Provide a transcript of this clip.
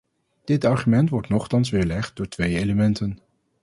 Dit argument wordt nochtans weerlegd door twee elementen.